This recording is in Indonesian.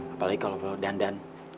apalagi kalau dandan